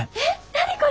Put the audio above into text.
何これ！